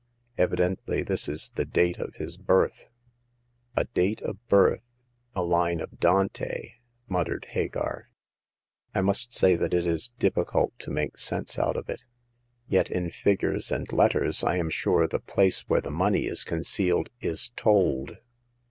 Evidently this is the date of his birth." "w4l date of birth— a line of Dante !" muttered The First Customer. 51 Hagar. '* I must say that it is difficult to make sense out of it. Yet, in figures and letters, I am sure the place where the money is concealed is told."